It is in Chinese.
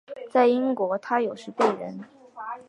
在英国他有时被人。